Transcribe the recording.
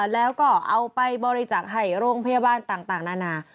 แล้วก็เอาไปบริจักษ์ให้โรงพยาบาลต่างนานา